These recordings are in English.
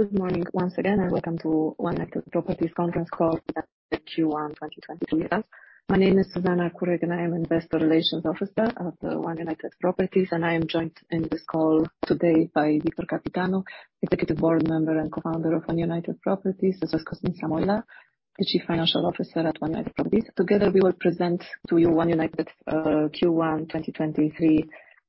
Good morning once again, and welcome to One United Properties conference call for Q1 2023 results. My name is Zuzanna Kurek, and I am Investor Relations Officer of the One United Properties, and I am joined in this call today by Victor Căpitanu, Executive Board Member and Co-founder of One United Properties, as well as Cosmin Samoilă, the Chief Financial Officer at One United Properties. Together, we will present to you One United Q1 2023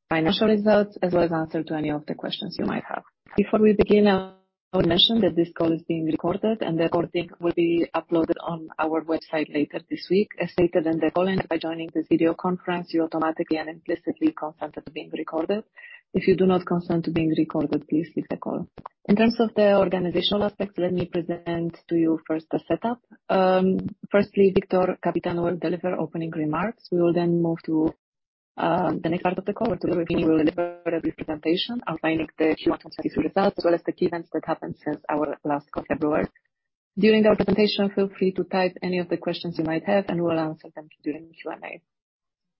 financial results, as well as answer to any of the questions you might have. Before we begin, I would mention that this call is being recorded and the recording will be uploaded on our website later this week. As stated in the call, by joining this video conference, you automatically and implicitly consent to being recorded. If you do not consent to being recorded, please leave the call. In terms of the organizational aspects, let me present to you first the setup. Firstly, Victor Căpitanu will deliver opening remarks. We will then move to the next part of the call, where Cosmin will deliver a presentation outlining the Q1 results, as well as the key events that happened since our last call in February. During the presentation, feel free to type any of the questions you might have, and we'll answer them during the Q&A.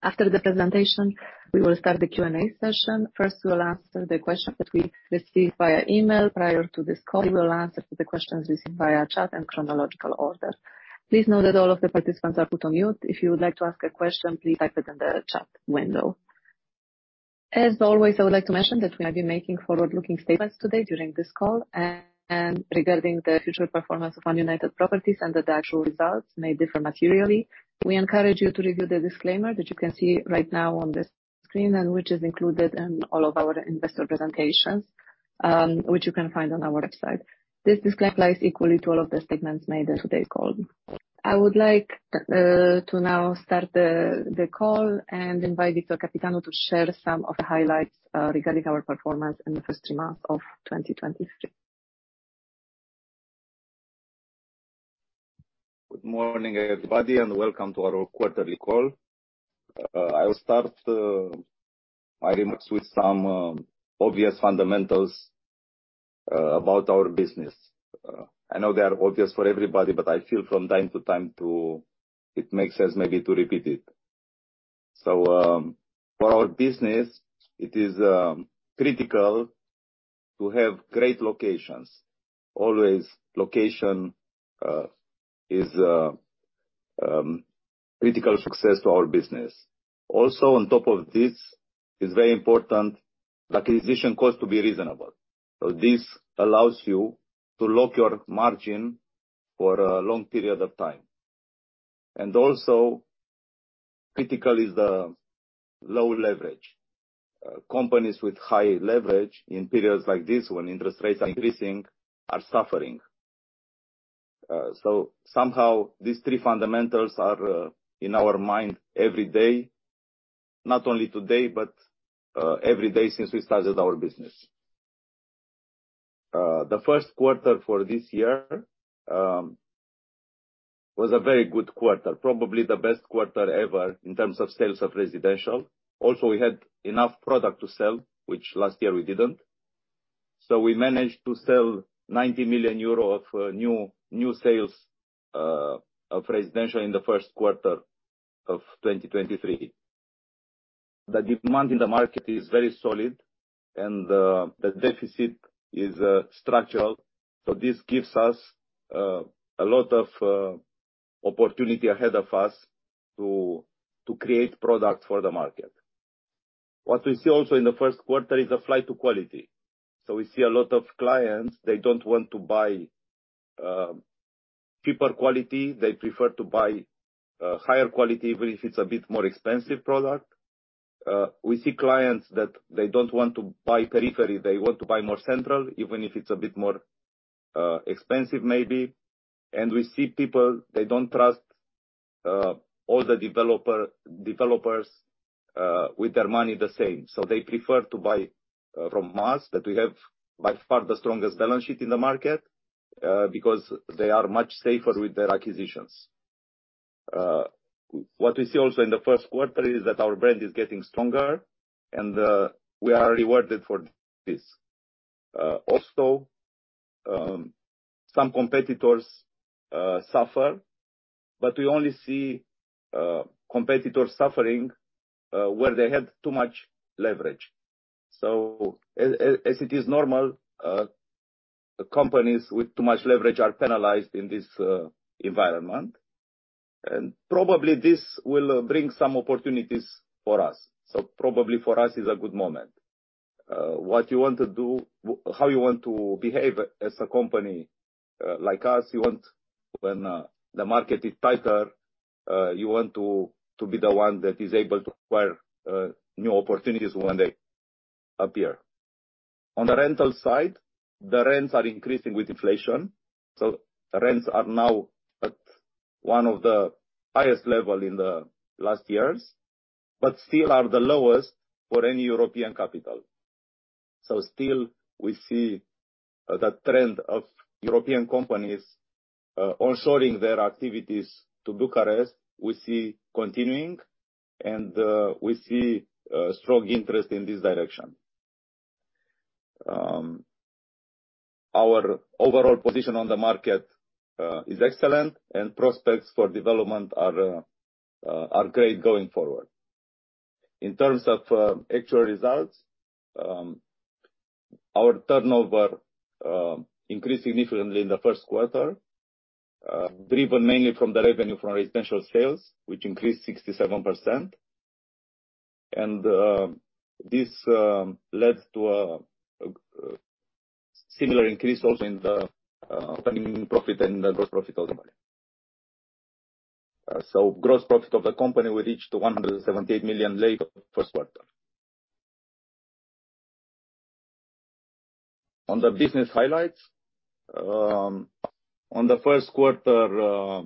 After the presentation, we will start the Q&A session. First, we will answer the questions that we received via email prior to this call. We will answer the questions received via chat in chronological order. Please note that all of the participants are put on mute. If you would like to ask a question, please type it in the chat window. As always, I would like to mention that we have been making forward-looking statements today during this call and regarding the future performance of One United Properties and that the actual results may differ materially. We encourage you to review the disclaimer that you can see right now on the screen and which is included in all of our investor presentations, which you can find on our website. This disclaimer applies equally to all of the statements made in today's call. I would like to now start the call and invite Victor Căpitanu to share some of the highlights regarding our performance in the first three months of 2023. Good morning, everybody, and welcome to our quarterly call. I will start my remarks with some obvious fundamentals about our business. I know they are obvious for everybody, but I feel from time to time it makes sense maybe to repeat it. For our business, it is critical to have great locations. Always location is critical success to our business. Also on top of this, it's very important acquisition cost to be reasonable. This allows you to lock your margin for a long period of time. Also critical is the low leverage. Companies with high leverage in periods like this when interest rates are increasing are suffering. Somehow these three fundamentals are in our mind every day, not only today, but every day since we started our business. The first quarter for this year was a very good quarter, probably the best quarter ever in terms of sales of residential. Also, we had enough product to sell, which last year we didn't. We managed to sell 90 million euro of new sales of residential in the first quarter of 2023. The demand in the market is very solid and the deficit is structural. This gives us a lot of opportunity ahead of us to create products for the market. What we see also in the first quarter is a flight to quality. We see a lot of clients, they don't want to buy cheaper quality. They prefer to buy higher quality, even if it's a bit more expensive product. We see clients that they don't want to buy periphery. They want to buy more central, even if it's a bit more expensive maybe. We see people, they don't trust all the developers with their money the same. They prefer to buy from us, that we have by far the strongest balance sheet in the market, because they are much safer with their acquisitions. What we see also in the first quarter is that our brand is getting stronger and we are rewarded for this. Also, some competitors suffer, but we only see competitors suffering where they had too much leverage. As it is normal, companies with too much leverage are penalized in this environment. Probably this will bring some opportunities for us. Probably for us is a good moment. What you want to do, how you want to behave as a company, like us, you want when the market is tighter, you want to be the one that is able to acquire new opportunities when they appear. On the rental side, the rents are increasing with inflation, so rents are now at one of the highest level in the last years, but still are the lowest for any European capital. Still we see the trend of European companies onshoring their activities to Bucharest, we see continuing, and we see a strong interest in this direction. Our overall position on the market is excellent and prospects for development are great going forward. In terms of actual results, our turnover increased significantly in the first quarter, driven mainly from the revenue from residential sales, which increased 67%. This led to a similar increase also in the operating profit and the gross profit also. Gross profit of the company will reach to RON 178 million the first quarter. On the business highlights, on the first quarter,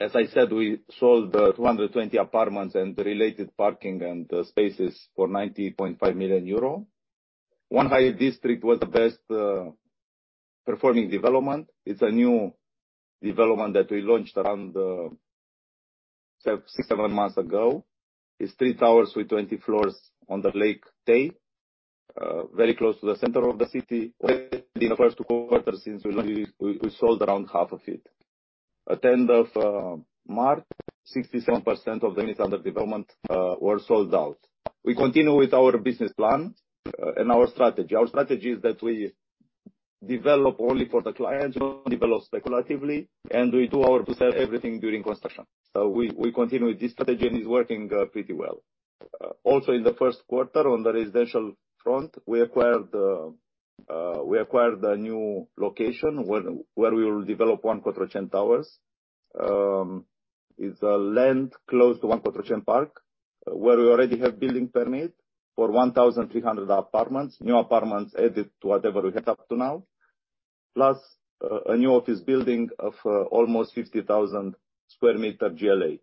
as I said, we sold 220 apartments and related parking and spaces for 90.5 million euro. One High District was the best performing development. It's a new development that we launched around six, seven months ago. It's three towers with 20 floors on the Lake Tei, very close to the center of the city. In the first quarter since we launch it, we sold around half of it. At end of March, 67% of the units under development were sold out. We continue with our business plan and our strategy. Our strategy is that we develop only for the clients, we don't develop speculatively, and we do our presale everything during construction. We continue with this strategy and it's working pretty well. Also in the first quarter on the residential front, we acquired a new location where we will develop One Cotroceni Towers. It's a land close to One Cotroceni Park, where we already have building permit for 1,300 apartments. New apartments added to whatever we have up to now, plus a new office building of almost 50,000 sqm GLA.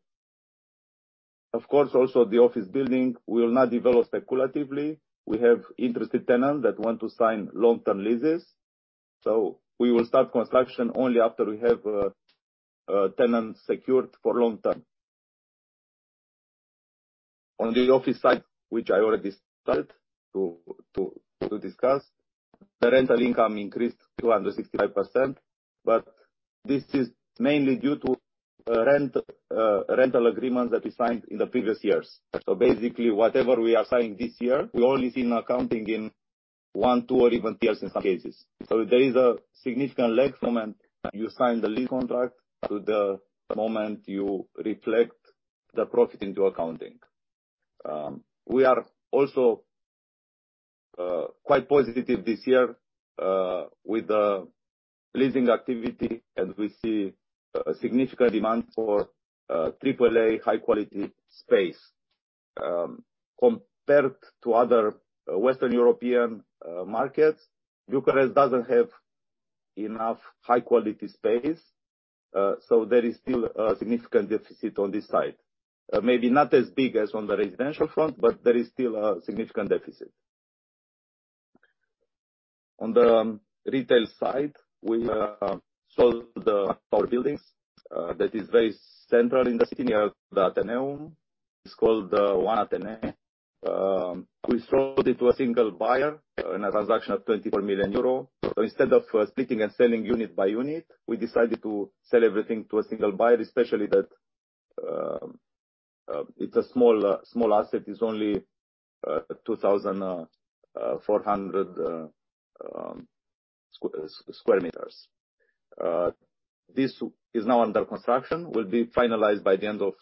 Of course, also the office building will not develop speculatively. We have interested tenants that want to sign long-term leases. We will start construction only after we have tenants secured for long term. On the office side, which I already started to discuss, the rental income increased 265%, but this is mainly due to rent rental agreements that we signed in the previous years. Basically, whatever we are signing this year, we only see in accounting in one, two or even three years in some cases. There is a significant lag from when you sign the lease contract to the moment you reflect the profit into accounting. We are also quite positive this year with the leasing activity, we see a significant demand for triple A high quality space. Compared to other Western European markets, Bucharest doesn't have enough high quality space, there is still a significant deficit on this side. Maybe not as big as on the residential front, there is still a significant deficit. On the retail side, we sold our buildings that is very central in the City of the Athénée. It's called One Athénée. We sold it to a single buyer in a transaction of 24 million euro. Instead of splitting and selling unit by unit, we decided to sell everything to a single buyer, especially that it's a small asset. It's only 2,400 sqm. This is now under construction. Will be finalized by the end of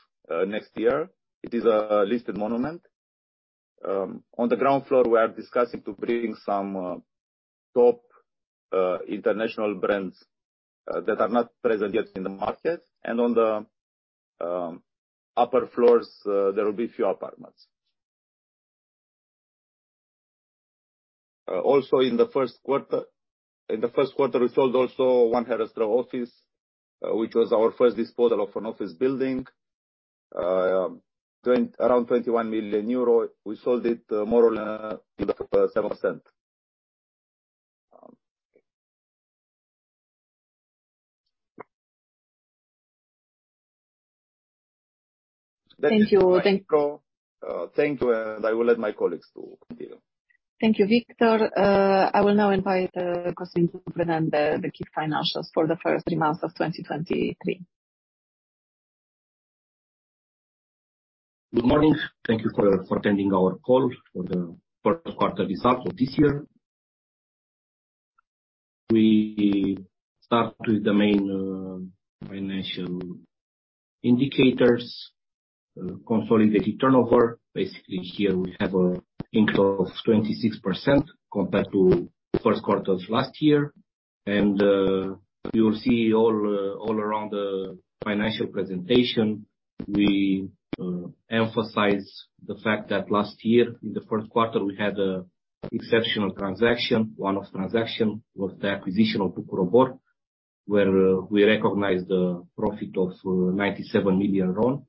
next year. It is a listed monument. On the ground floor, we are discussing to bring some top international brands that are not present yet in the market. On the upper floors, there will be a few apartments. Also in the first quarter, we sold also One Herăstrău Office, which was our first disposal of an office building, around 21 million euro. We sold it more or less 7%. Thank you. Thank you. I will let my colleagues to continue. Thank you, Victor. I will now invite Cosmin to present the key financials for the first three months of 2023. Good morning. Thank you for attending our call for the first quarter results of this year. We start with the main financial indicators. Consolidated turnover. Basically here we have a increase of 26% compared to first quarter of last year. You will see all around the financial presentation, we emphasize the fact that last year in the first quarter, we had a exceptional transaction. One-off transaction was the acquisition of Bucur Obor, where we recognized the profit of RON 97 million.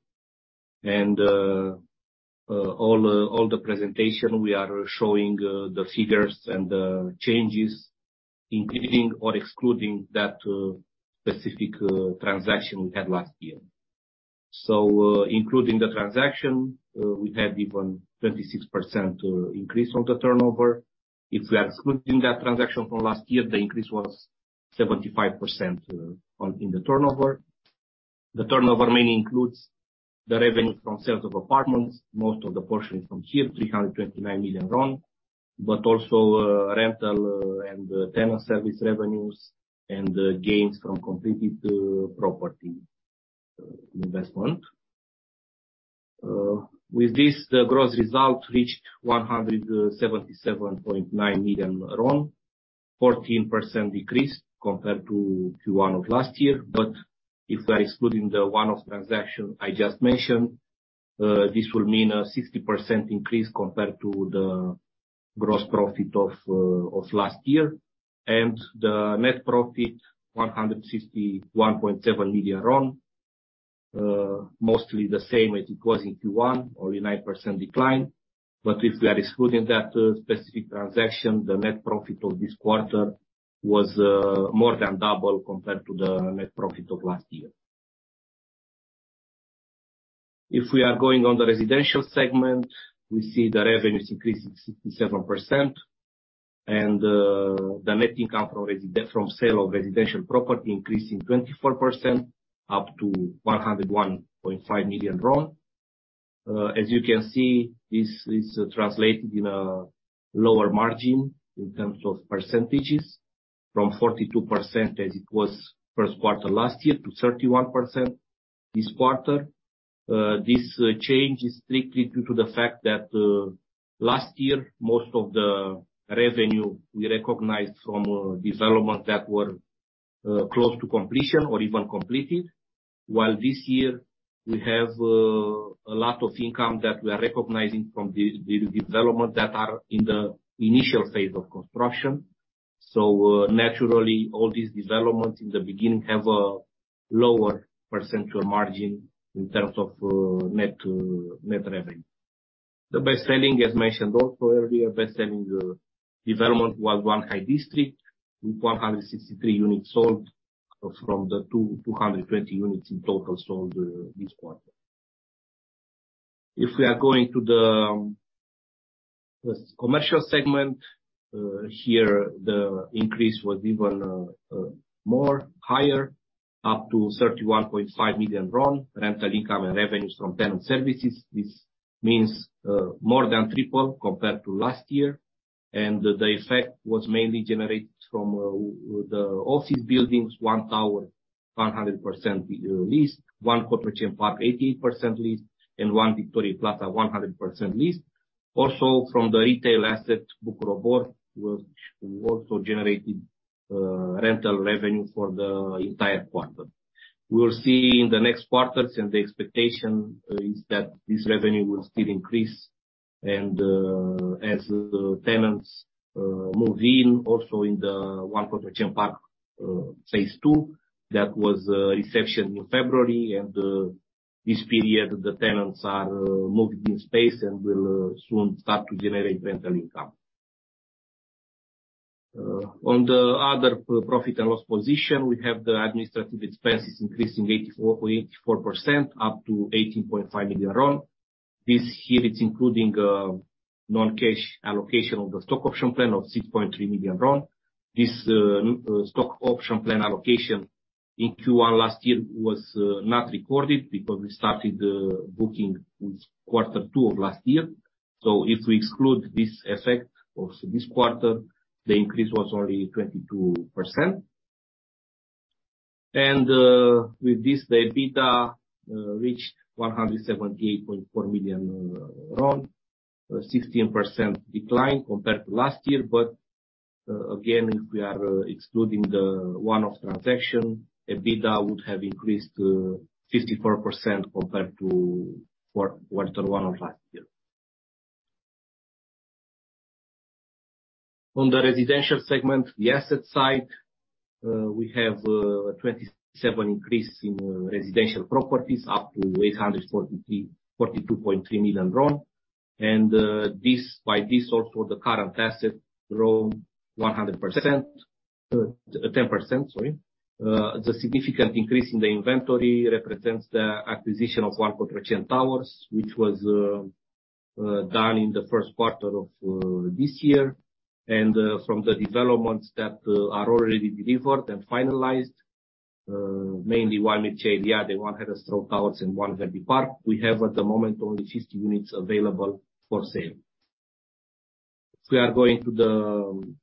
All the presentation, we are showing the figures and the changes, including or excluding that specific transaction we had last year. Including the transaction, we had even 26% increase on the turnover. If we are excluding that transaction from last year, the increase was 75% on, in the turnover. The turnover mainly includes the revenue from sales of apartments. Most of the portion is from here, RON 329 million, but also rental and tenant service revenues and gains from completed property investment. With this, the gross result reached RON 177.9 million, 14% decrease compared to Q1 of last year. If we are excluding the one-off transaction I just mentioned, this will mean a 60% increase compared to the gross profit of last year. The net profit, RON 161.7 million, mostly the same as it was in Q1, only 9% decline. If we are excluding that specific transaction, the net profit of this quarter was more than double compared to the net profit of last year. If we are going on the residential segment, we see the revenues increasing 67%, the net income from sale of residential property increasing 24% up to RON 101.5 million. As you can see, this is translated in a lower margin in terms of percentages from 42% as it was first quarter last year to 31% this quarter. This change is strictly due to the fact that last year, most of the revenue we recognized from developments that were close to completion or even completed, while this year we have a lot of income that we are recognizing from developments that are in the initial phase of construction. Naturally, all these developments in the beginning have a lower percentage margin in terms of net revenue. The best-selling, as mentioned also earlier, best-selling development was One High District with 163 units sold from the 220 units in total sold this quarter. If we are going to the commercial segment, here the increase was even more higher, up to RON 31.5 million rental income and revenues from tenant services. This means more than triple compared to last year. The effect was mainly generated from the office buildings. One Tower, 100% leased. One Cotroceni Park, 80% leased, and One Victoriei Plaza, 100% leased. From the retail asset Bucur Obor also generating rental revenue for the entire quarter. We will see in the next quarters, and the expectation is that this revenue will still increase as the tenants move in, also in the One Cotroceni Park Phase II, that was reception in February and this period, the tenants are moving in space and will soon start to generate rental income. On the other profit and loss position, we have the administrative expenses increasing 84% up to RON 18.5 million. This here it's including non-cash allocation of the stock option plan of RON 6.3 million. This stock option plan allocation in Q1 last year was not recorded because we started booking with quarter two of last year. If we exclude this effect of this quarter, the increase was only 22%. With this, the EBITDA reached RON 178.4 million, a 16% decline compared to last year. Again, if we are excluding the one-off transaction, EBITDA would have increased to 54% compared to quarter one of last year. On the residential segment, the asset side, we have 27% increase in residential properties up to RON 842.3 million. By this also the current asset grow 100%. 10%, sorry. The significant increase in the inventory represents the acquisition of One Cotroceni Towers, which was done in the first quarter of this year. From the developments that are already delivered and finalized, mainly One Mihai Viteazu, One Herăstrău Towers and One Verdi Park, we have at the moment only 50 units available for sale. If we are going to the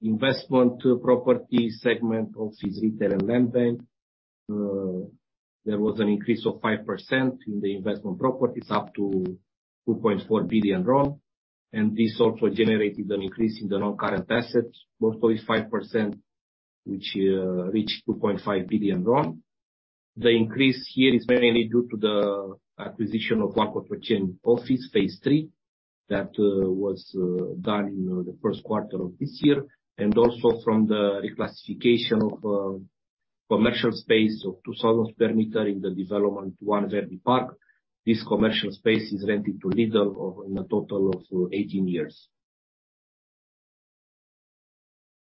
investment property segment, offices, retail and land bank, there was an increase of 5% in the investment properties up to RON 2.4 billion, and this also generated an increase in the non-current assets, also is 5%, which reached RON 2.5 billion. The increase here is mainly due to the acquisition of One Cotroceni Office Phase III. That was done in the first quarter of this year, also from the reclassification of commercial space of 2,000 sqm in the development One Verdi Park. This commercial space is rented to Lidl over in a total of 18 years.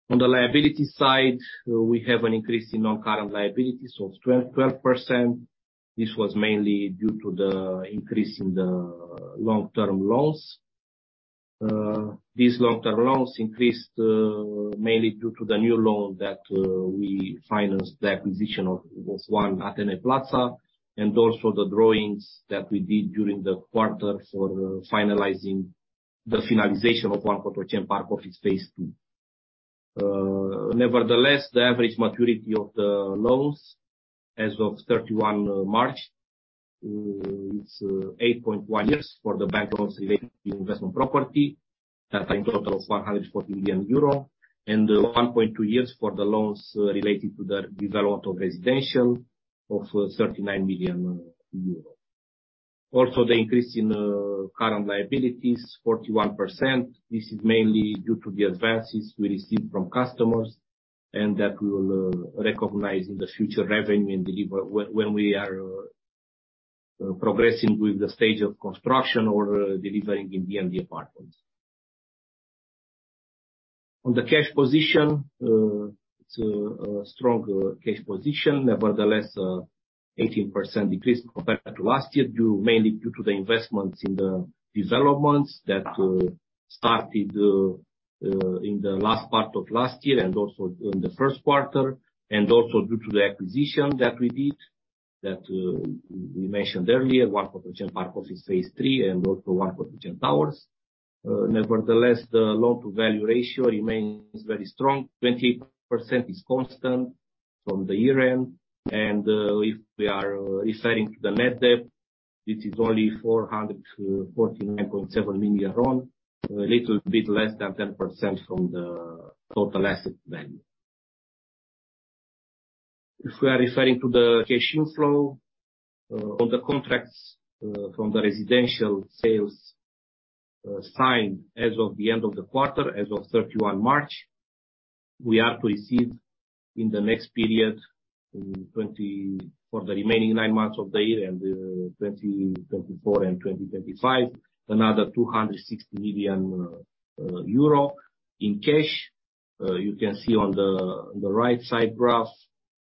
On the liability side, we have an increase in non-current liabilities of 12%. This was mainly due to the increase in the long-term loans. These long-term loans increased mainly due to the new loan that we financed the acquisition of One Plaza Athénée and also the drawings that we did during the quarter for the finalization of One Cotroceni Park Office Phase Two. Nevertheless, the average maturity of the loans as of 31 March, it's 8.1 years for the bank loans related to investment property at a total of 140 million euro, and 1.2 years for the loans related to the development of residential of 39 million euro. The increase in current liabilities, 41%. This is mainly due to the advances we received from customers, and that we will recognize in the future revenue and deliver when we are progressing with the stage of construction or delivering in the MD apartments. On the cash position, it's a strong cash position. 18% decrease compared to last year, due mainly due to the investments in the developments that started in the last part of last year and also in the first quarter, and also due to the acquisition that we did, that we mentioned earlier, One Cotroceni Park Office Phase III and also One Cotroceni Towers. The loan to value ratio remains very strong. 20% is constant from the year end and, if we are referring to the net debt, it is only RON 449.7 million. A little bit less than 10% from the total asset value. If we are referring to the cash inflow, or the contracts, from the residential sales, signed as of the end of the quarter, as of 31 March, we are to receive in the next period for the remaining nine months of the year and 2024 and 2025, another 260 million euro in cash. You can see on the right side graph,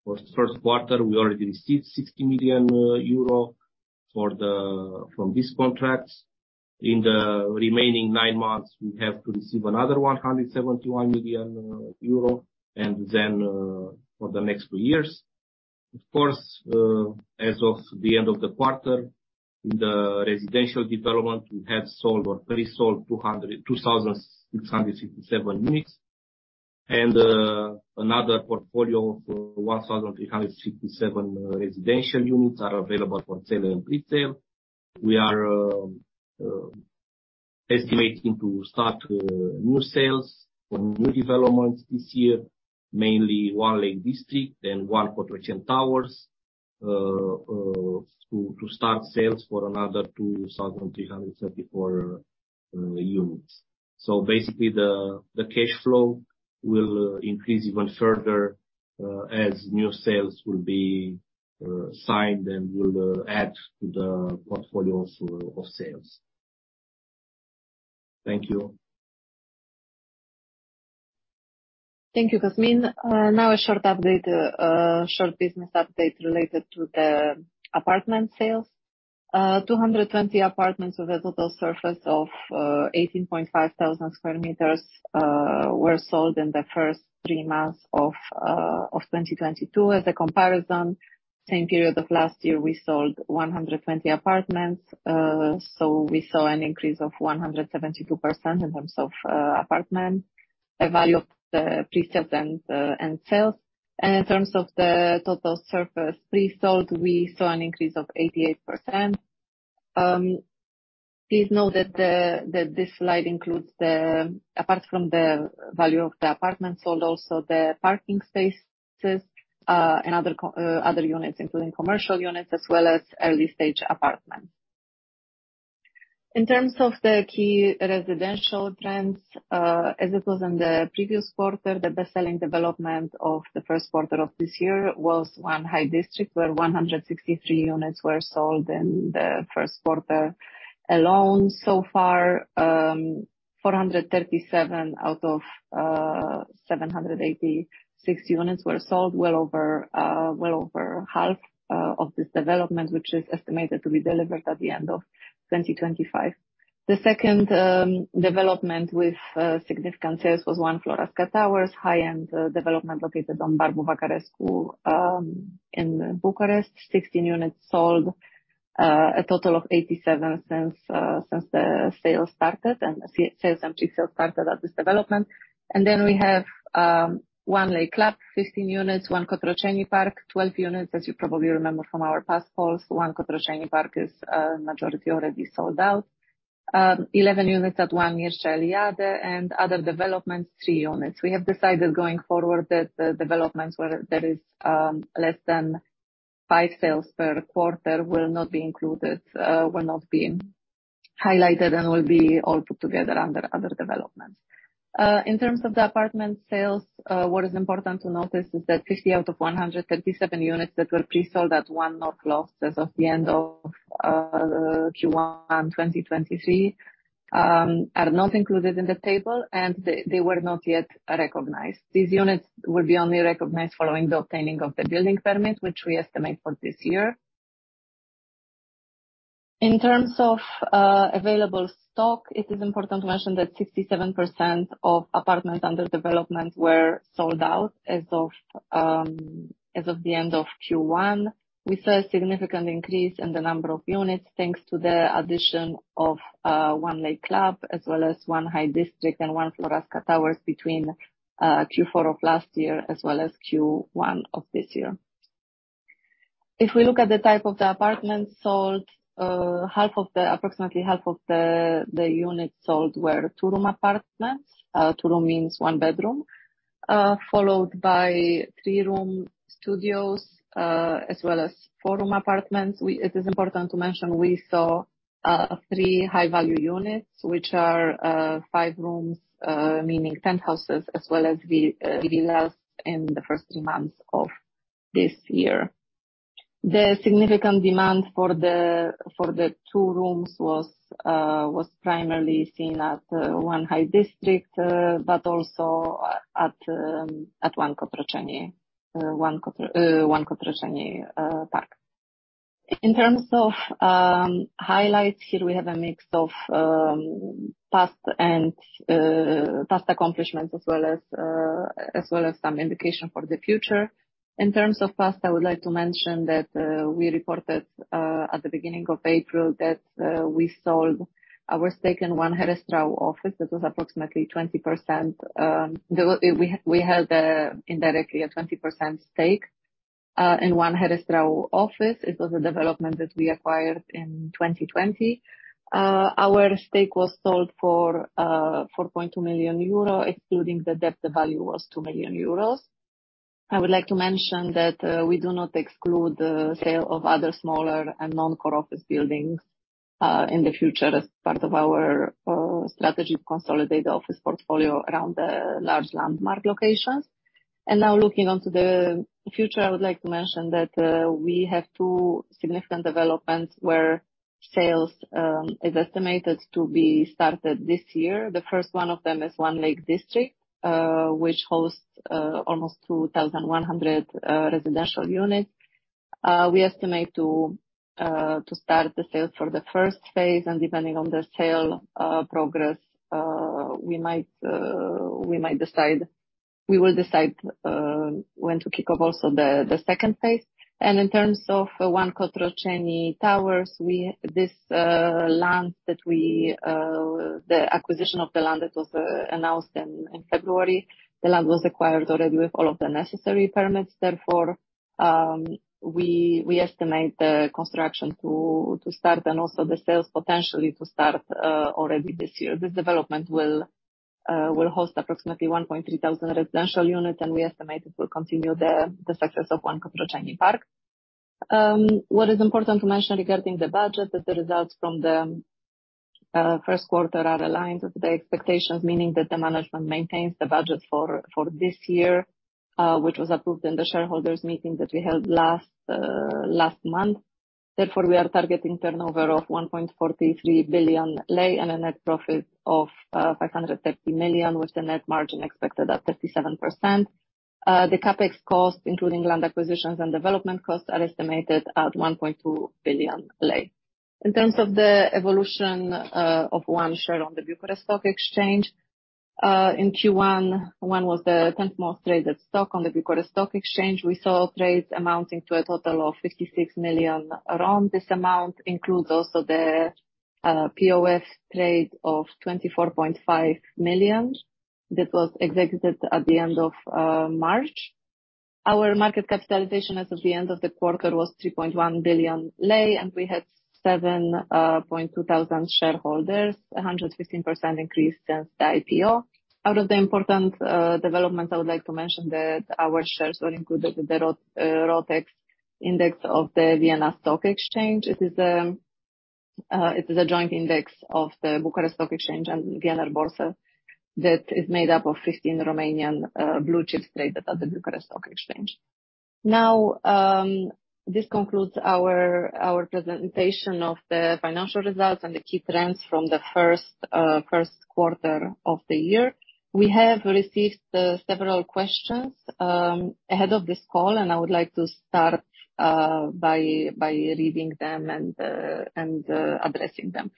for the first quarter we already received 60 million euro from these contracts. In the remaining nine months, we have to receive another 171 million euro and then for the next two years. As of the end of the quarter, in the residential development, we have sold or pre-sold 2,667 units. Another portfolio of 1,357 residential units are available for sale and pre-sale. We are estimating to start new sales on new developments this year, mainly One Lake District and One Cotroceni Towers, to start sales for another 2,334 units. Basically the cash flow will increase even further, as new sales will be signed and will add to the portfolio of sales. Thank you. Thank you, Cosmin. A short update, a short business update related to the apartment sales. 220 apartments with a total surface of 18,500 sqm were sold in the first three months of 2022. As a comparison, same period of last year, we sold 120 apartments. We saw an increase of 172% in terms of apartment, the value of the pre-sales and sales. In terms of the total surface pre-sold, we saw an increase of 88%. Please note that this slide includes the... apart from the value of the apartments sold, also the parking spaces, and other units, including commercial units as well as early stage apartments. In terms of the key residential trends, as it was in the previous quarter, the best-selling development of the first quarter of this year was One High District, where 163 units were sold in the first quarter alone. So far, 437 out of 786 units were sold, well over half of this development, which is estimated to be delivered at the end of 2025. The second development with significant sales was One Floreasca Towers, high-end development located on Barbu Văcărescu, in Bucharest. 16 units sold. A total of 87 since sales and pre-sales started at this development. We have One Lake Club, 15 units, One Cotroceni Park, 12 units. As you probably remember from our past calls, One Cotroceni Park is majority already sold out. 11 units at One Mircea Eliade and other developments, three units. We have decided going forward that the developments where there is less than five sales per quarter will not be included, will not be highlighted and will be all put together under other developments. In terms of the apartment sales, what is important to notice is that 50 out of 137 units that were pre-sold at One North Lofts as of the end of Q1 2023, are not included in the table and they were not yet recognized. These units will be only recognized following the obtaining of the building permit, which we estimate for this year. In terms of available stock, it is important to mention that 67% of apartments under development were sold out as of the end of Q1. We saw a significant increase in the number of units, thanks to the addition of One Lake Club, as well as One High District and One Floreasca Towers between Q4 of last year as well as Q1 of this year. If we look at the type of the apartments sold, half of the approximately half of the units sold were two-room apartments. Two-room means one bedroom. Followed by three-room studios, as well as four-room apartments. It is important to mention we saw three high-value units, which are five rooms, meaning penthouses as well as villas in the first three months of this year. The significant demand for the two rooms was primarily seen at One High District, but also at One Cotroceni Park. In terms of highlights, here we have a mix of past and past accomplishments as well as some indication for the future. In terms of past, I would like to mention that we reported at the beginning of April that we sold our stake in One Herăstrău Office. This was approximately 20%. We held indirectly a 20% stake in One Herăstrău Office. It was a development that we acquired in 2020. Our stake was sold for 4.2 million euro. Excluding the debt, the value was 2 million euros. I would like to mention that we do not exclude the sale of other smaller and non-core office buildings in the future as part of our strategy to consolidate the office portfolio around the large landmark locations. Looking onto the future, I would like to mention that we have two significant developments where sales is estimated to be started this year. The first one of them is One Lake District, which hosts almost 2,100 residential units. We estimate to start the sales for the first phase, and depending on the sale progress, we will decide when to kick off also the second phase. In terms of One Cotroceni Towers, this land that we, the acquisition of the land that was announced in February, the land was acquired already with all of the necessary permits. Therefore, we estimate the construction to start and also the sales potentially to start already this year. This development will host approximately 1,300 residential units, and we estimate it will continue the success of One Cotroceni Park. What is important to mention regarding the budget is the results from the first quarter are aligned with the expectations, meaning that the management maintains the budget for this year, which was approved in the shareholders' meeting that we held last month. We are targeting turnover of RON 1.43 billion and a net profit of RON 530 million, with the net margin expected at 37%. The CapEx costs, including land acquisitions and development costs, are estimated at RON 1.2 billion. In terms of the evolution of One share on the Bucharest Stock Exchange, in Q1, One was the 10th most traded stock on the Bucharest Stock Exchange. We saw trades amounting to a total of RON 56 million around this amount, includes also the PoS trade of RON 24.5 million that was executed at the end of March. Our market capitalization as of the end of the quarter was RON 3.1 billion. We had 7,200 shareholders, a 115% increase since the IPO. Out of the important developments, I would like to mention that our shares were included in the ROTX index of the Vienna Stock Exchange. It is a joint index of the Bucharest Stock Exchange and Wiener Börse that is made up of 15 Romanian blue-chip traded at the Bucharest Stock Exchange. Now, this concludes our presentation of the financial results and the key trends from the first quarter of the year. We have received several questions ahead of this call, and I would like to start by reading them and addressing them.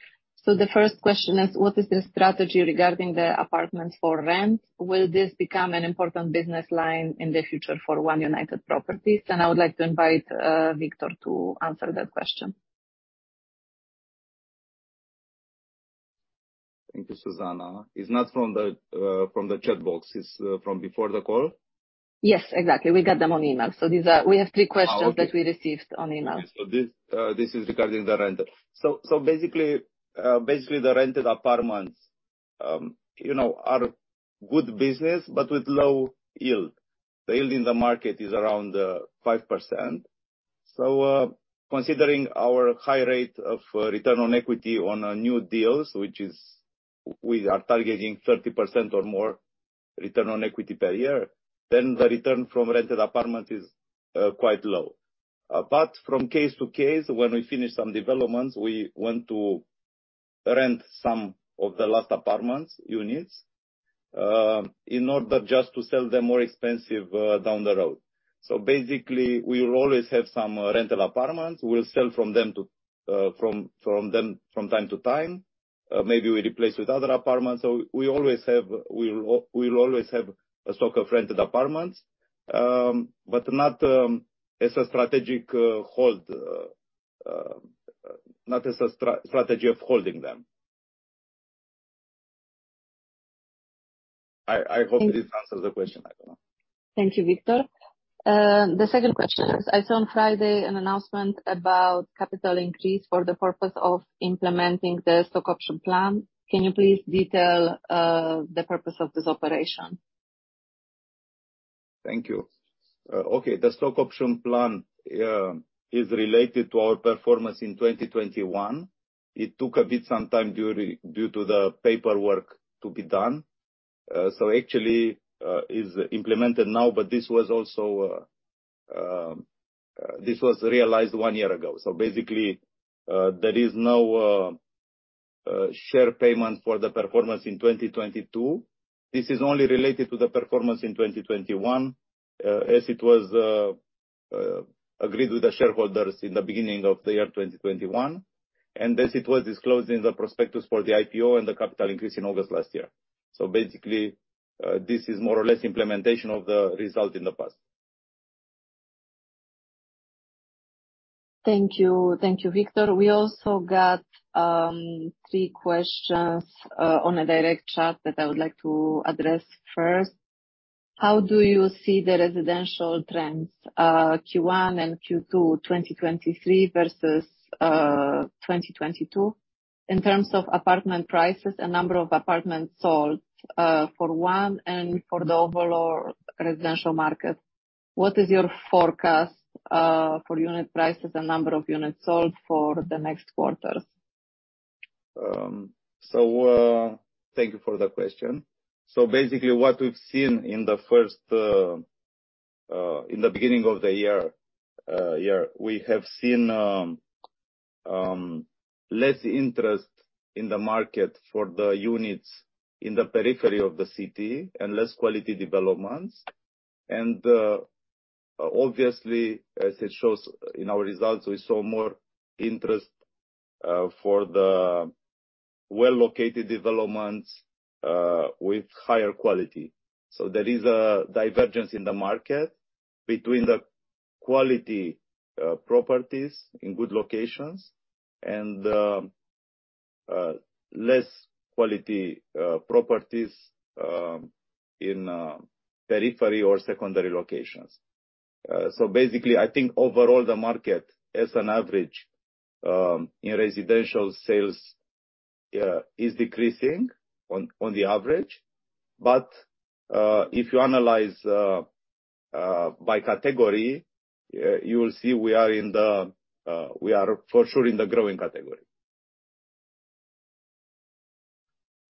The first question is: What is the strategy regarding the apartments for rent? Will this become an important business line in the future for One United Properties? I would like to invite Victor to answer that question. Thank you, Zuzanna. It's not from the, from the chat box. It's, from before the call? Yes, exactly. We got them on email. We have three questions. Oh, okay. that we received on email. Okay. This is regarding the rental. Basically, the rented apartments, you know, are good business but with low yield. The yield in the market is around 5%. Considering our high rate of return on equity on new deals, which is we are targeting 30% or more return on equity per year, then the return from rented apartment is quite low. From case to case, when we finish some developments, we want to rent some of the last apartments units, in order just to sell them more expensive down the road. Basically, we will always have some rental apartments. We'll sell from them from time to time. Maybe we replace with other apartments. We always have... We'll always have a stock of rented apartments, but not as a strategic hold, not as a strategy of holding them. I hope this answers the question. I don't know. Thank you, Victor. The second question is, I saw on Friday an announcement about capital increase for the purpose of implementing the stock option plan. Can you please detail the purpose of this operation? Thank you. Okay, the stock option plan is related to our performance in 2021. It took a bit some time due to the paperwork to be done. Actually, is implemented now, but this was also, this was realized one year ago. Basically, there is no share payment for the performance in 2022. This is only related to the performance in 2021, as it was agreed with the shareholders in the beginning of the year 2021, and as it was disclosed in the prospectus for the IPO and the capital increase in August last year. Basically, this is more or less implementation of the result in the past. Thank you. Thank you, Victor. We also got three questions on a direct chat that I would like to address first. How do you see the residential trends Q1 and Q2 2023 versus 2022 in terms of apartment prices and number of apartments sold for One and for the overall residential market? What is your forecast for unit prices and number of units sold for the next quarter? Thank you for the question. What we've seen in the first in the beginning of the year, we have seen less interest in the market for the units in the periphery of the city and less quality developments. Obviously, as it shows in our results, we saw more interest for the well-located developments with higher quality. There is a divergence in the market between the quality properties in good locations and less quality properties in periphery or secondary locations. I think overall the market as an average, in residential sales, yeah, is decreasing on the average. If you analyze by category, you will see we are in the we are for sure in the growing category.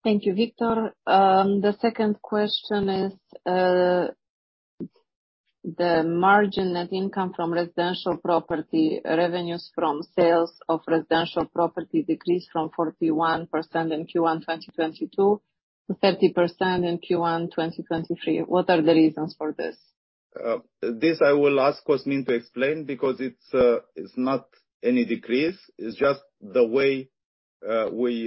Thank you, Victor. The second question is, the margin net income from residential property, revenues from sales of residential property decreased from 41% in Q1 2022 to 30% in Q1 2023. What are the reasons for this? This I will ask Cosmin to explain because it's not any decrease. It's just the way we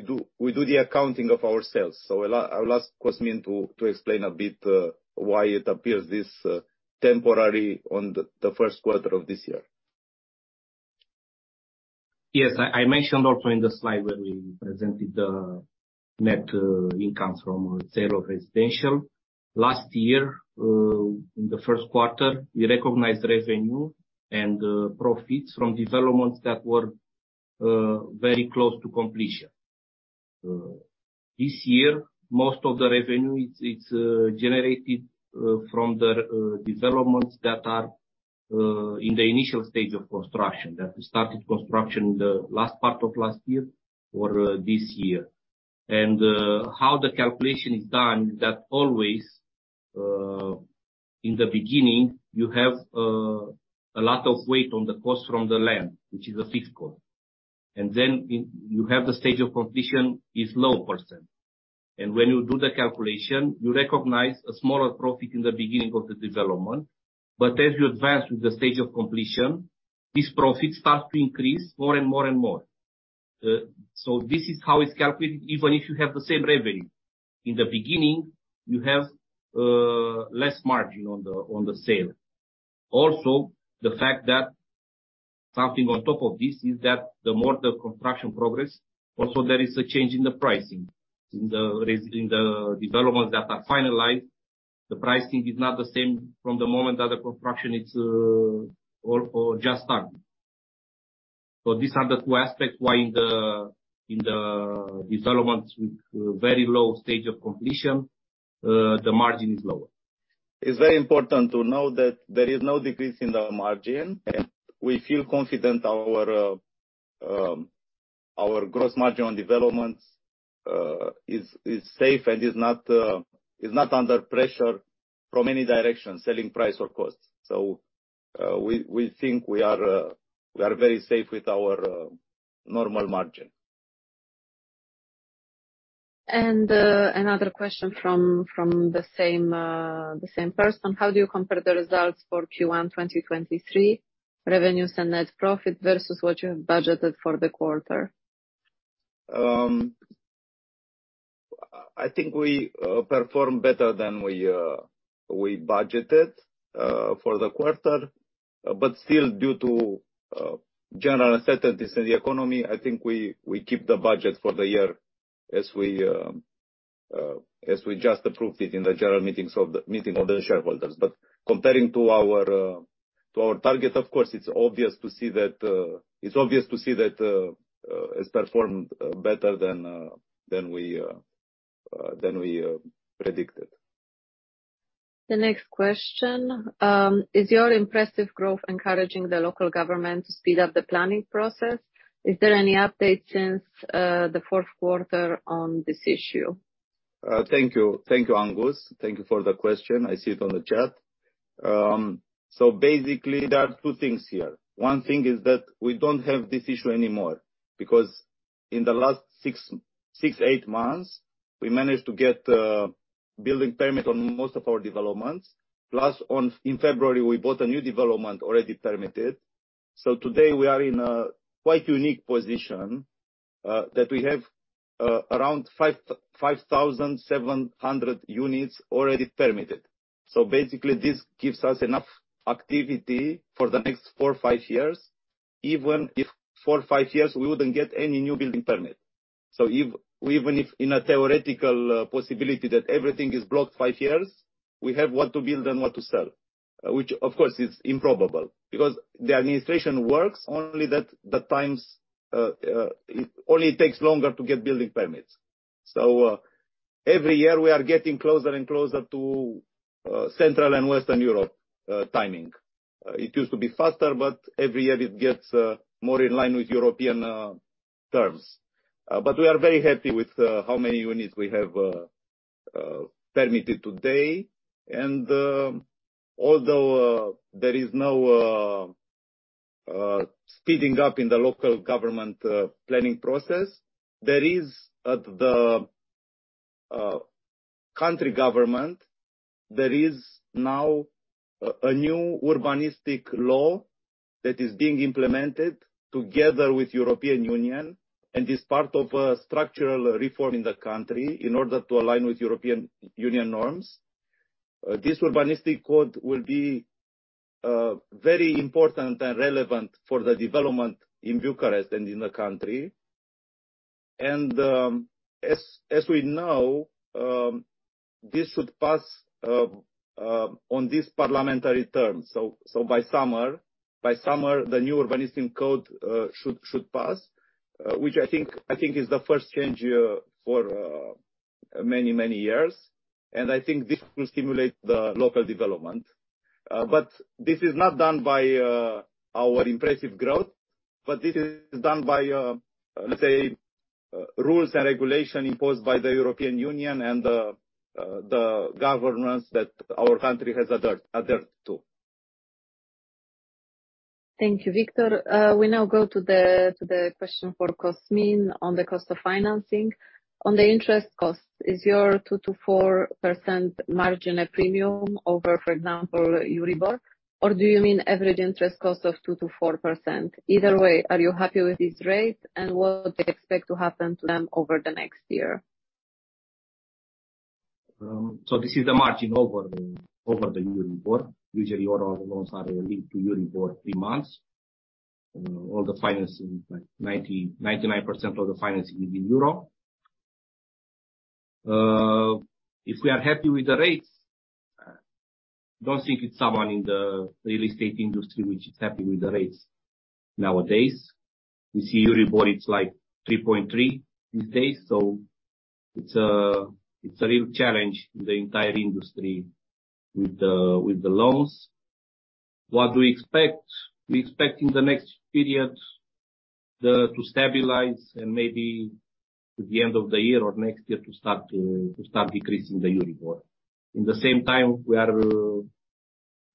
do the accounting of our sales. I'll ask Cosmin to explain a bit why it appears this temporary on the first quarter of this year. Yes. I mentioned also in the slide where we presented the net income from sale of residential. Last year, in the first quarter, we recognized revenue and profits from developments that were very close to completion. This year, most of the revenue it's generated from the developments that are in the initial stage of construction, that we started construction the last part of last year or this year. How the calculation is done, that always in the beginning, you have a lot of weight on the cost from the land, which is a fixed cost. Then you have the stage of completion is low percent. When you do the calculation, you recognize a smaller profit in the beginning of the development. As you advance with the stage of completion, this profit starts to increase more and more and more. This is how it's calculated, even if you have the same revenue. In the beginning, you have less margin on the sale. The fact that something on top of this is that the more the construction progress, also there is a change in the pricing. In the developments that are finalized, the pricing is not the same from the moment that the construction is or just started. These are the two aspects why in the developments with very low stage of completion, the margin is lower. It's very important to know that there is no decrease in the margin. We feel confident our gross margin on developments is safe and is not under pressure from any direction, selling price or cost. We think we are very safe with our normal margin. Another question from the same person. How do you compare the results for Q1 2023 revenues and net profit versus what you have budgeted for the quarter? I think we performed better than we budgeted for the quarter. Still, due to general uncertainties in the economy, I think we keep the budget for the year as we just approved it in the general meeting of the shareholders. Comparing to our target, of course, it's obvious to see that it's performed better than we predicted. The next question. Is your impressive growth encouraging the local government to speed up the planning process? Is there any update since the fourth quarter on this issue? Thank you. Thank you, Angus. Thank you for the question. I see it on the chat. Basically, there are two things here. One thing is that we don't have this issue anymore, because in the last six, eight months, we managed to get building permit on most of our developments. Plus in February, we bought a new development already permitted. Today we are in a quite unique position that we have around 5,700 units already permitted. Basically, this gives us enough activity for the next four or five years, even if four or five years we wouldn't get any new building permit. Even if in a theoretical possibility that everything is blocked five years, we have what to build and what to sell. Which, of course, is improbable because the administration works only that, the times, only takes longer to get building permits. Every year we are getting closer and closer to Central and Western Europe timing. It used to be faster, every year it gets more in line with European terms. We are very happy with how many units we have permitted today. Although there is no speeding up in the local government planning process, there is at the country government, there is now a new urbanistic law that is being implemented together with European Union and is part of a structural reform in the country in order to align with European Union norms. This urbanistic code will be very important and relevant for the development in Bucharest and in the country. As we know, this should pass on this parliamentary term. So by summer, the new urbanistic code should pass, which I think is the first change here for many, many years. I think this will stimulate the local development. This is not done by our impressive growth, but this is done by let's say, rules and regulations imposed by the European Union and the governments that our country has adhered to. Thank you, Victor. We now go to the question for Cosmin on the cost of financing. On the interest cost, is your 2%-4% margin a premium over, for example, Euribor? Do you mean average interest cost of 2%-4%? Either way, are you happy with this rate, and what do you expect to happen to them over the next year? This is the margin over the, over the Euribor. Usually, all our loans are linked to Euribor three months. All the financing, like 99% of the financing is in euro. If we are happy with the rates? Don't think it's someone in the real estate industry which is happy with the rates nowadays. We see Euribor, it's like 3.3 these days, it's a, it's a real challenge in the entire industry with the, with the loans. What do we expect? We expect in the next period to stabilize and maybe at the end of the year or next year to start decreasing the Euribor. In the same time, we are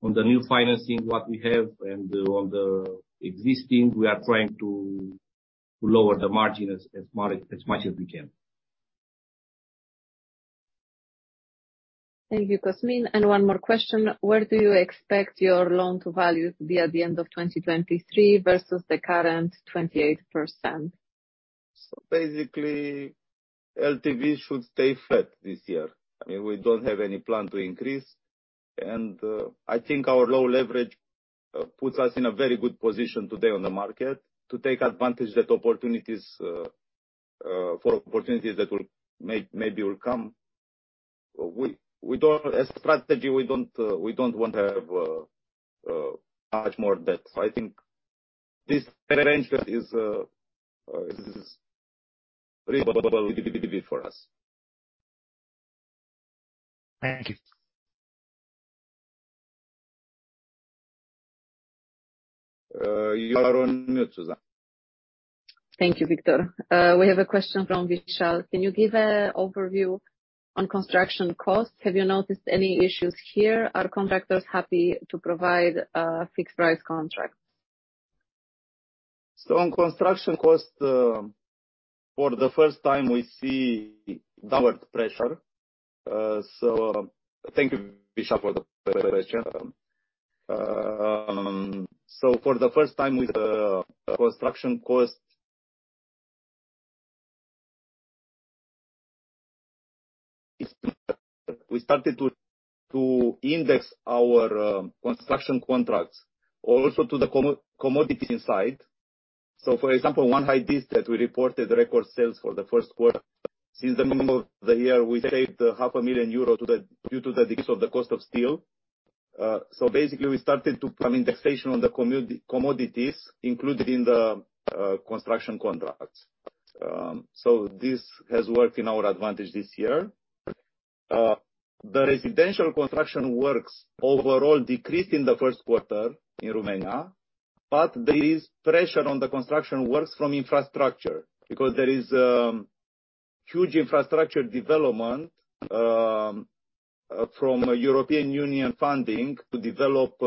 on the new financing, what we have and on the existing, we are trying to lower the margin as much as we can. Thank you, Cosmin. One more question: Where do you expect your loan-to-value to be at the end of 2023 versus the current 28%? Basically, LTV should stay flat this year. I mean, we don't have any plan to increase. I think our low leverage puts us in a very good position today on the market to take advantage for opportunities that will maybe will come. We don't. As strategy, we don't want to have much more debt. I think this arrangement is reasonable for us. Thank you. You are on mute, Zuzanna. Thank you, Victor. We have a question from Vishal: Can you give a overview on construction costs? Have you noticed any issues here? Are contractors happy to provide, fixed price contracts? On construction costs, for the first time we see downward pressure. Thank you, Vishal, for the question. For the first time with the construction cost, we started to index our construction contracts also to the commodities inside. For example, One High District that we reported record sales for the first quarter. Since the beginning of the year, we saved 500,000 euros due to the decrease of the cost of steel. Basically we started to put indexation on the commodities included in the construction contracts. This has worked in our advantage this year. The residential construction works overall decreased in the first quarter in Romania. There is pressure on the construction works from infrastructure because there is huge infrastructure development from European Union funding to develop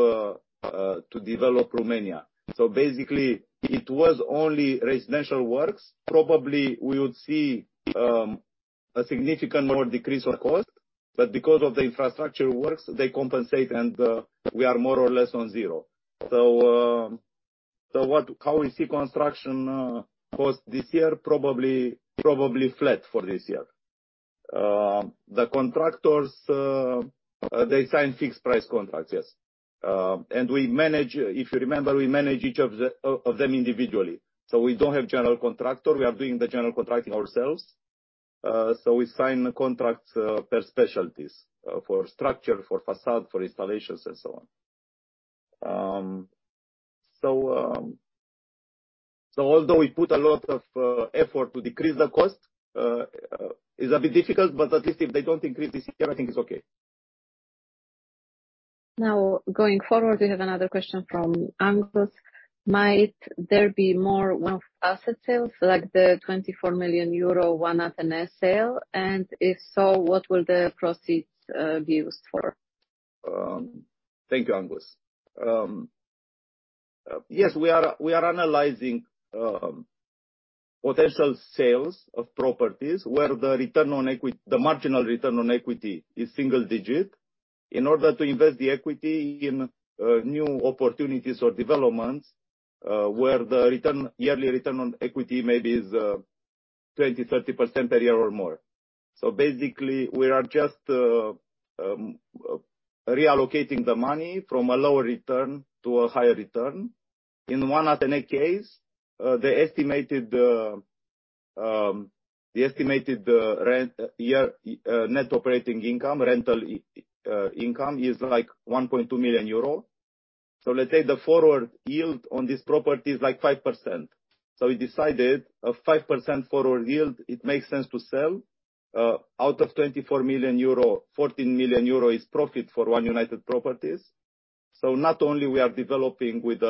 Romania. Basically it was only residential works. Probably we would see a significant more decrease on cost, but because of the infrastructure works, they compensate and we are more or less on zero. How we see construction costs this year, probably flat for this year. The contractors, they sign fixed price contracts, yes. And we manage. If you remember, we manage each of them individually. We don't have general contractor. We are doing the general contracting ourselves. We sign contracts per specialties for structure, for facade, for installations, and so on. Although we put a lot of effort to decrease the cost, it's a bit difficult, but at least if they don't increase this year, I think it's okay. Now, going forward, we have another question from Angus: Might there be more asset sales like the 24 million euro One Athénée sale? If so, what will the proceeds be used for? Thank you, Angus. Yes, we are analyzing potential sales of properties where the return on equity, the marginal return on equity is single digit in order to invest the equity in new opportunities or developments where the return, yearly return on equity maybe is 20%, 30% per year or more. Basically, we are just reallocating the money from a lower return to a higher return. In One Athénée case, the estimated rent year, net operating income, rental income is like 1.2 million euro. Let's say the forward yield on this property is like 5%. We decided a 5% forward yield, it makes sense to sell. Out of 24 million euro, 14 million euro is profit for One United Properties. Not only we are developing with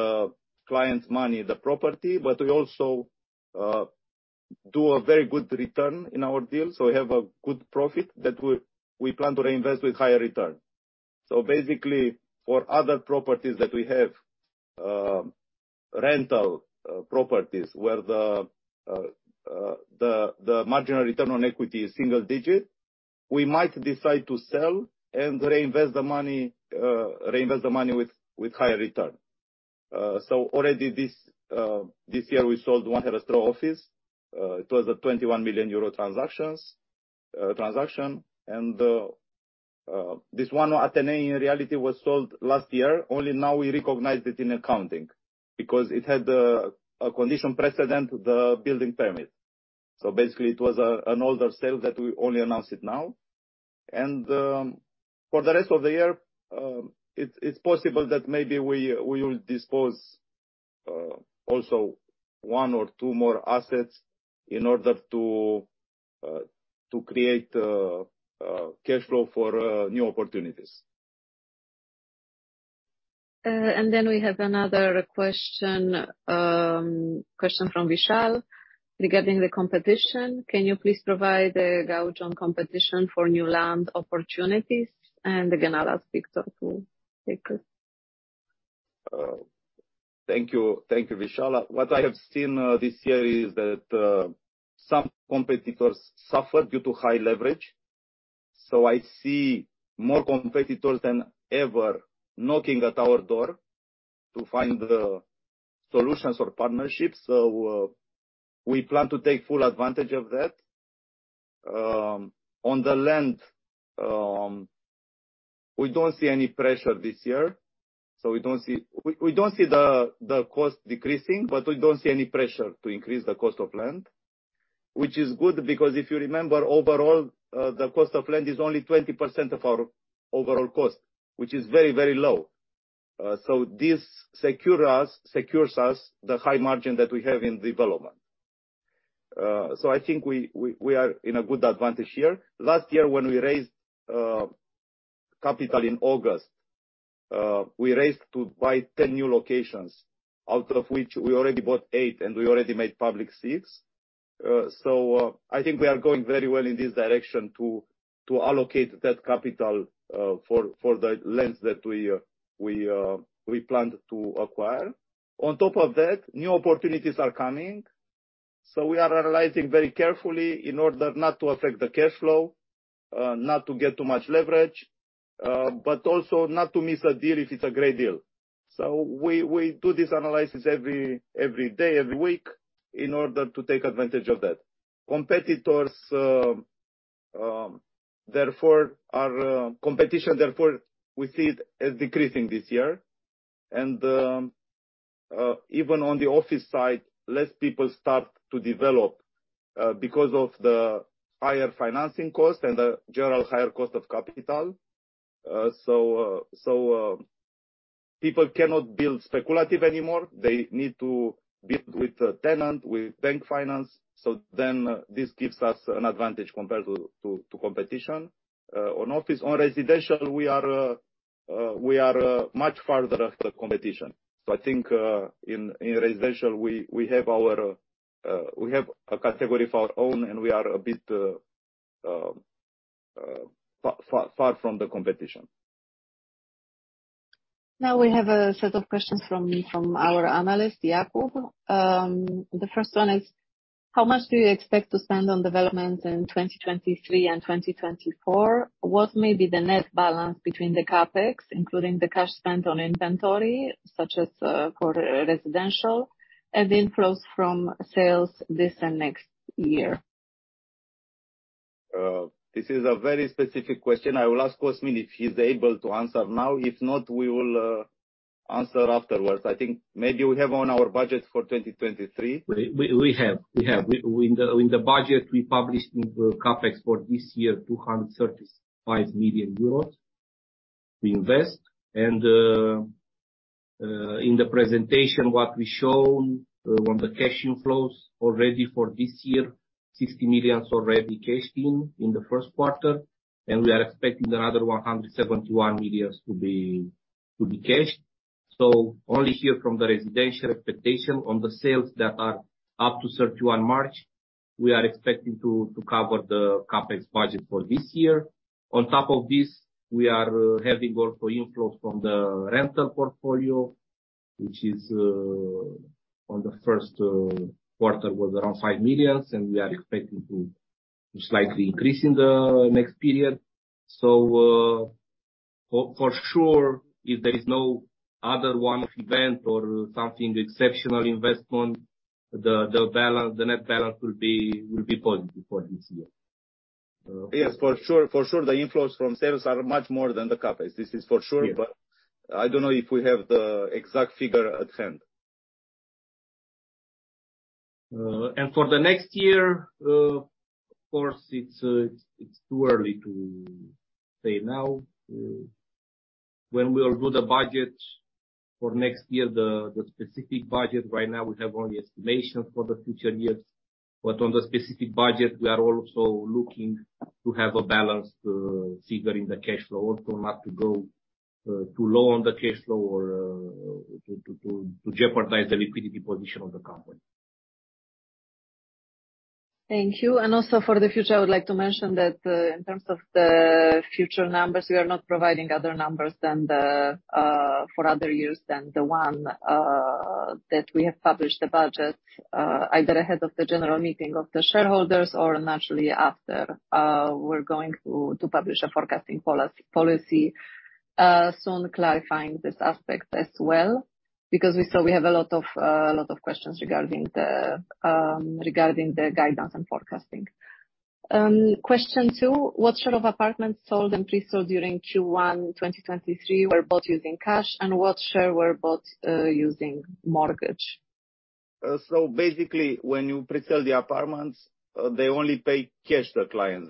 client's money the property, but we also do a very good return in our deal. We have a good profit that we plan to reinvest with higher return. Basically, for other properties that we have rental properties where the marginal return on equity is single-digit, we might decide to sell and reinvest the money with higher return. Already this year we sold One Herăstrău Office. It was a EUR 21 million transaction. This One Athénée in reality was sold last year. Only now we recognized it in accounting because it had a condition precedent, the building permit. Basically it was an older sale that we only announced it now. For the rest of the year, it's possible that maybe we will dispose also one or two more assets in order to create cash flow for new opportunities. We have another question from Vishal regarding the competition. Can you please provide a gauge on competition for new land opportunities? I'll ask Victor to take it. Thank you. Thank you, Vishal. What I have seen this year is that some competitors suffered due to high leverage. I see more competitors than ever knocking at our door to find solutions or partnerships. We plan to take full advantage of that. On the land, we don't see any pressure this year. We don't see the cost decreasing, but we don't see any pressure to increase the cost of land, which is good because if you remember, overall, the cost of land is only 20% of our overall cost, which is very, very low. This secures us the high margin that we have in development. I think we are in a good advantage here. Last year when we raised capital in August, we raised to buy 10 new locations, out of which we already bought eight, and we already made public six. I think we are going very well in this direction to allocate that capital for the lands that we planned to acquire. On top of that, new opportunities are coming, so we are analyzing very carefully in order not to affect the cash flow, not to get too much leverage, but also not to miss a deal if it's a great deal. We do this analysis every day, every week, in order to take advantage of that. Competition therefore, we see it as decreasing this year. Even on the office side, less people start to develop because of the higher financing costs and the general higher cost of capital. People cannot build speculative anymore. They need to build with a tenant, with bank finance. This gives us an advantage compared to competition on office. On residential, we are much farther after competition. I think in residential, we have our, we have a category of our own, and we are a bit far from the competition. Now we have a set of questions from our analyst, Jakub. The first one is: How much do you expect to spend on development in 2023 and 2024? What may be the net balance between the CapEx, including the cash spent on inventory, such as, for residential, and inflows from sales this and next year? This is a very specific question. I will ask Cosmin if he's able to answer now. If not, we will answer afterwards. I think maybe we have on our budget for 2023. We have. We, in the budget we published in CapEx for this year EUR 235 million to invest. In the presentation, what we shown on the cash inflows already for this year, 60 million already cashed in in the first quarter. We are expecting another 171 million to be cashed. Only here from the residential expectation on the sales that are up to 31 March, we are expecting to cover the CapEx budget for this year. On top of this, we are heading also inflows from the rental portfolio, which is on the first quarter was around 5 million, and we are expecting to slightly increase in the next period. For sure, if there is no other one-off event or something exceptional investment, the balance, the net balance will be positive for this year. Yes, for sure. For sure. The inflows from sales are much more than the CapEx. This is for sure. Yeah. I don't know if we have the exact figure at hand. For the next year, of course, it's too early to say now when we'll do the budget for next year. The specific budget right now, we have only estimations for the future years. On the specific budget, we are also looking to have a balanced figure in the cash flow also not to go too low on the cash flow or to jeopardize the liquidity position of the company. Thank you. Also for the future, I would like to mention that, in terms of the future numbers, we are not providing other numbers than the, for other years than the one, that we have published the budget, either ahead of the general meeting of the shareholders or naturally after. We're going to publish a forecasting policy soon clarifying this aspect as well, because we saw we have a lot of questions regarding the guidance and forecasting. Question two: What share of apartments sold and pre-sold during Q1 2023 were bought using cash, and what share were bought, using mortgage? Basically, when you pre-sell the apartments, they only pay cash to clients.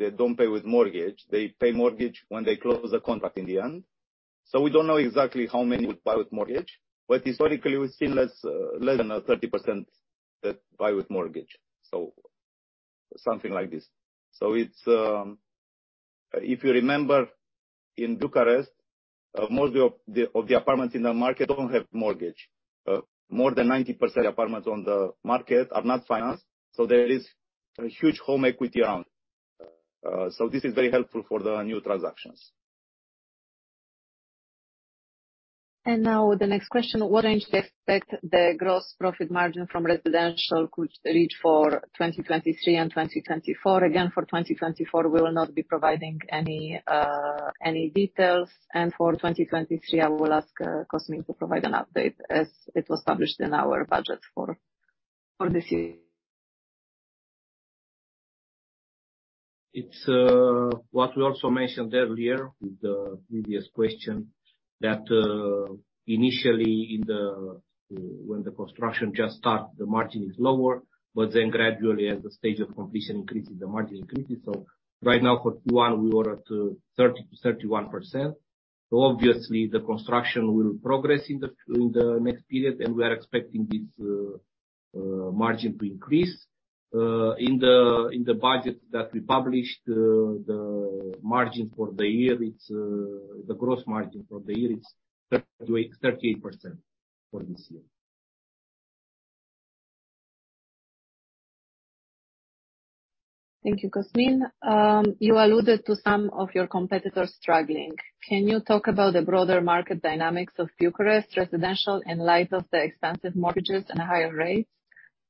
They don't pay with mortgage. They pay mortgage when they close the contract in the end. We don't know exactly how many would buy with mortgage, but historically, we've seen less, less than 30% that buy with mortgage. Something like this. If you remember, in Bucharest, most of the apartments in the market don't have mortgage. More than 90% apartments on the market are not financed, so there is a huge home equity around. This is very helpful for the new transactions. Now the next question: What range do you expect the gross profit margin from residential could reach for 2023 and 2024? For 2024, we will not be providing any details. For 2023, I will ask Cosmin to provide an update as it was published in our budget for this year. It's what we also mentioned earlier with the previous question, that initially in the when the construction just start, the margin is lower. Gradually, as the stage of completion increases, the margin increases. Right now for Q1, we were at 30%-31%. Obviously, the construction will progress in the next period, and we are expecting this margin to increase. In the budget that we published, the gross margin for the year is 38% for this year. Thank you, Cosmin. You alluded to some of your competitors struggling. Can you talk about the broader market dynamics of Bucharest residential in light of the expensive mortgages and higher rates?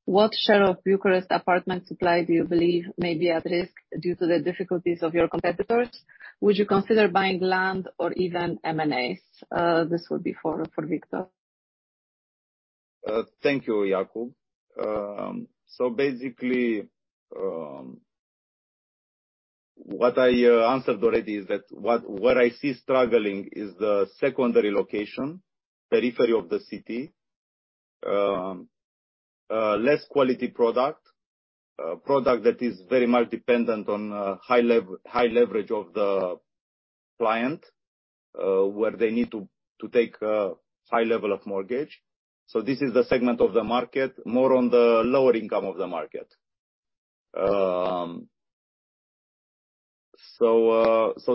What share of Bucharest apartment supply do you believe may be at risk due to the difficulties of your competitors? Would you consider buying land or even M&As? This would be for Victor. Thank you, Jakub. Basically, what I answered already is that what, where I see struggling is the secondary location, periphery of the city, less quality product, a product that is very much dependent on, high leverage of the client, where they need to take a high level of mortgage. This is the segment of the market, more on the lower income of the market.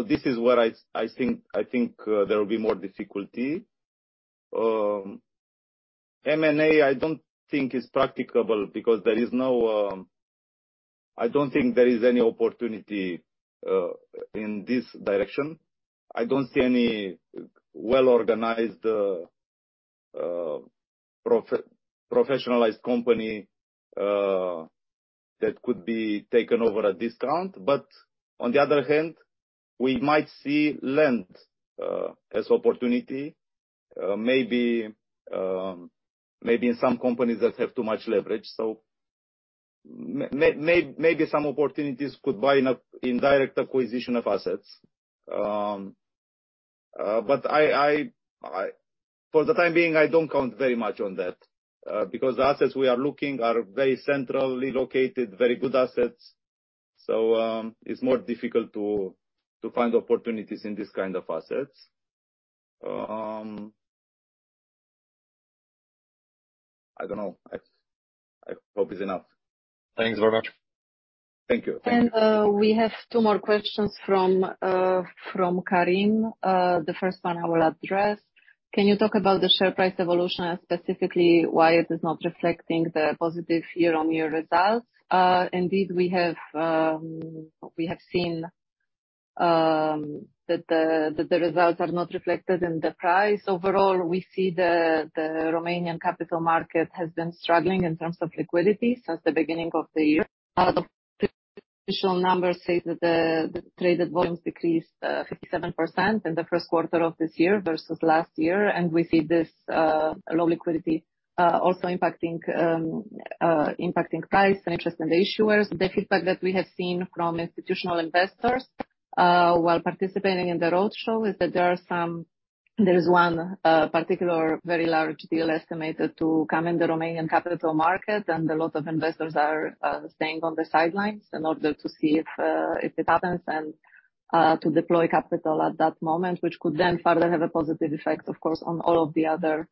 This is where I think there will be more difficulty. M&A, I don't think is practicable because there is no opportunity in this direction. I don't see any well-organized, professionalized company that could be taken over a discount. On the other hand, we might see land as opportunity, maybe in some companies that have too much leverage. Maybe some opportunities could buy in a indirect acquisition of assets. But I... For the time being, I don't count very much on that, because the assets we are looking are very centrally located, very good assets. It's more difficult to find opportunities in this kind of assets. I don't know. I hope it's enough. Thanks very much. Thank you. Thank you. We have two more questions from Karim. The first one I will address. Can you talk about the share price evolution and specifically why it is not reflecting the positive year-on-year results? Indeed we have seen that the results are not reflected in the price. Overall, we see the Romanian capital market has been struggling in terms of liquidity since the beginning of the year. The official numbers say that the traded volumes decreased 57% in the first quarter of this year versus last year. We see this low liquidity also impacting price and interest in the issuers. The feedback that we have seen from institutional investors while participating in the roadshow is that there are some... There is one particular very large deal estimated to come in the Romanian capital market, and a lot of investors are staying on the sidelines in order to see if it happens and to deploy capital at that moment, which could then further have a positive effect, of course, on all of the other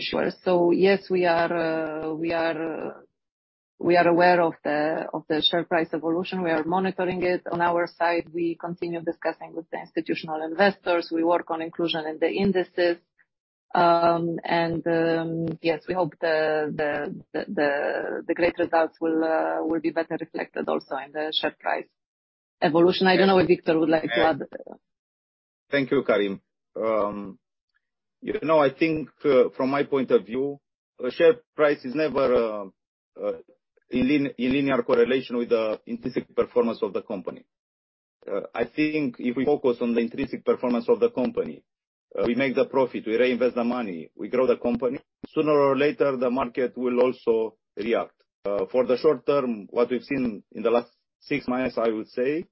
issuers. Yes, we are aware of the share price evolution. We are monitoring it on our side. We continue discussing with the institutional investors. We work on inclusion in the indices. Yes, we hope the great results will be better reflected also in the share price evolution. I don't know if Victor would like to add. Thank you, Karim. you know, I think, from my point of view, a share price is never in linear correlation with the intrinsic performance of the company. I think if we focus on the intrinsic performance of the company, we make the profit, we reinvest the money, we grow the company. Sooner or later, the market will also react. For the short term, what we've seen in the last six months, I would say,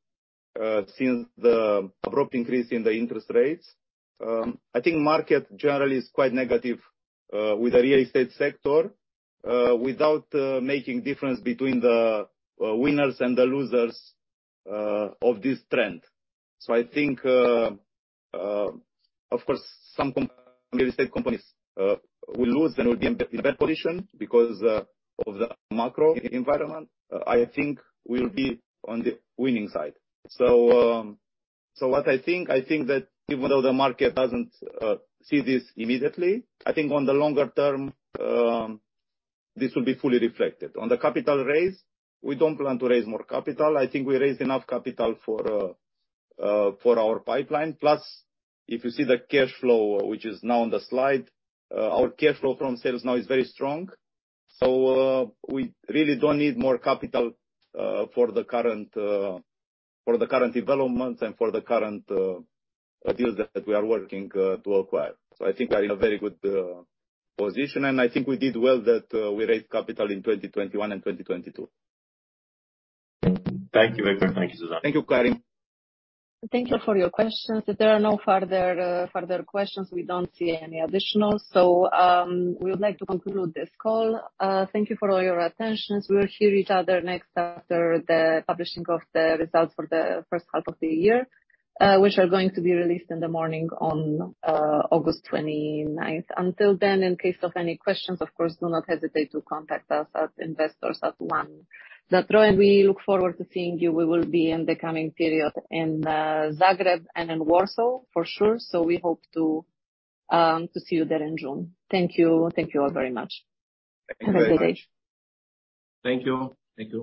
since the abrupt increase in the interest rates, I think market generally is quite negative with the real estate sector, without making difference between the winners and the losers of this trend. I think, of course, some real estate companies will lose and will be in a bad position because of the macro environment. I think we'll be on the winning side. What I think, I think that even though the market doesn't see this immediately, I think on the longer term, this will be fully reflected. On the capital raise, we don't plan to raise more capital. I think we raised enough capital for our pipeline. If you see the cash flow, which is now on the slide, our cash flow from sales now is very strong. We really don't need more capital for the current, for the current developments and for the current deals that we are working to acquire. I think we're in a very good position, and I think we did well that we raised capital in 2021 and 2022. Thank you very much. Thank you, Zuzanna. Thank you, Karim. Thank you for your questions. If there are no further questions, we don't see any additional. We would like to conclude this call. Thank you for all your attention. We'll hear each other next after the publishing of the results for the first half of the year, which are going to be released in the morning on August 29th. Until then, in case of any questions, of course, do not hesitate to contact us at investors@one.ro. We look forward to seeing you. We will be in the coming period in Zagreb and in Warsaw for sure. We hope to see you there in June. Thank you. Thank you all very much. Thank you very much. Have a good day. Thank you. Thank you.